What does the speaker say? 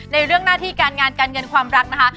เรื่องหน้าที่การงานการเงินความรักนะคะ